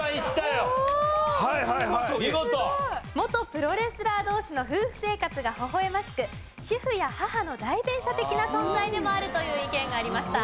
元プロレスラー同士の夫婦生活がほほ笑ましく主婦や母の代弁者的な存在でもあるという意見がありました。